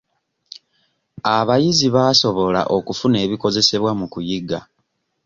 Abayizi baasobola okufuna ebikozesebwa mu kuyiga.